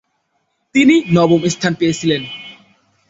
তিনি নবম স্থান পেয়েছিলেন।